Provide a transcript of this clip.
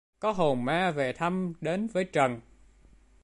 có hồn ma về thăm đến với Trần